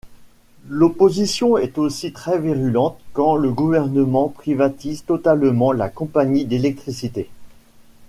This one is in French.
L'opposition est aussi très virulente quand le gouvernement privatise totalement la compagnie d'électricité.